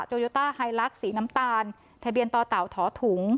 โยต้าไฮลักษ์สีน้ำตาลทะเบียนต่อเต่าถอถุง